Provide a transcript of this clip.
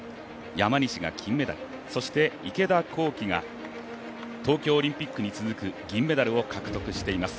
山西が金メダル、そして、池田向希が東京オリンピックに続く銀メダルを獲得しています。